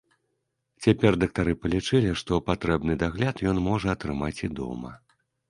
Цяпер дактары палічылі, што патрэбны дагляд ён можа атрымаць і дома.